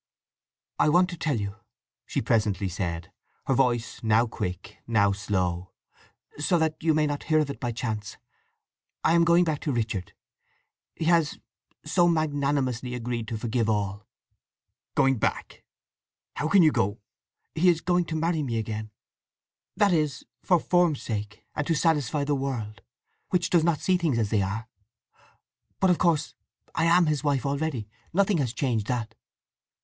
"I want to tell you," she presently said, her voice now quick, now slow, "so that you may not hear of it by chance. I am going back to Richard. He has—so magnanimously—agreed to forgive all." "Going back? How can you go—" "He is going to marry me again. That is for form's sake, and to satisfy the world, which does not see things as they are. But of course I am his wife already. Nothing has changed that."